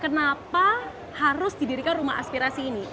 kenapa harus didirikan rumah aspirasi ini